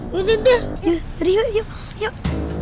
yaudah yuk yuk yuk